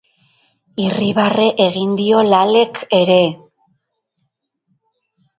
Irribarre egin dio Lalek ere.